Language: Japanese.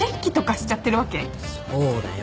そうだよ。